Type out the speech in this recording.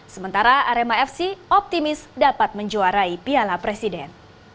sementara arema fc optimis dapat menjuarai piala presiden